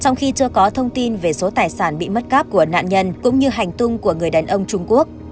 trong khi chưa có thông tin về số tài sản bị mất cắp của nạn nhân cũng như hành tung của người đàn ông trung quốc